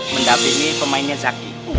mendapimi pemainnya zaky